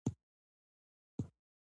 د کارپوهانو خبرې باید واورېدل شي.